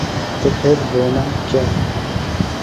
تو پھر رونا کیا؟